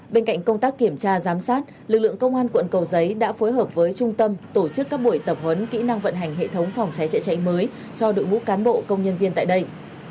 bên cạnh công tác kiểm tra giám sát lực lượng công an quận cầu giấy đã phối hợp với trung tâm tổ chức các buổi tập huấn kỹ năng vận hành hệ thống phòng cháy chữa cháy mới cho đội ngũ cán bộ công nhân viên tại đây